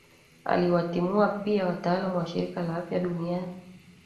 Aliwatimua pia wataalamu wa Shirika la Afya Duniani